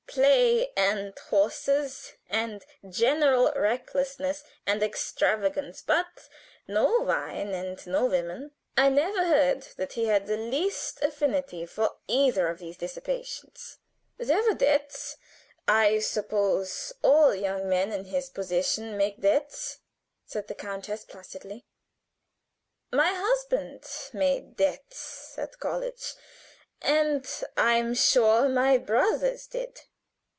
Play and horses, and general recklessness and extravagance, but no wine and no women. I never heard that he had the least affinity for either of these dissipations. There were debts I suppose all young men in his position make debts," said the countess, placidly. "My husband made debts at college, and I am sure my brothers did.